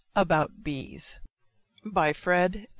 ] ABOUT BEES. FRED.